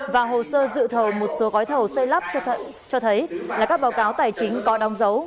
và hồ sơ dự thầu một số gói thầu xây lắp cho thấy là các báo cáo tài chính có đóng dấu